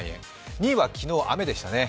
２位は昨日、雨でしたね。